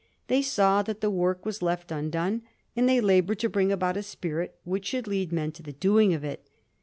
They saw that the work was left undone, and they labored to bring about a spirit which should lead men to the doing of it.